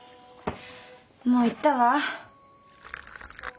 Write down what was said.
もう行ったわ。